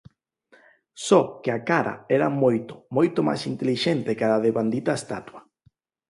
Só que a cara era moito, moito máis intelixente que a da devandita estatua.